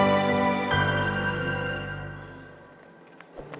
udah udah udah